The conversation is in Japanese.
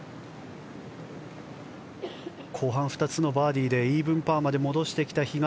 後半、２つのバーディーでイーブンパーまで戻してきた比嘉。